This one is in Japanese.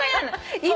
今？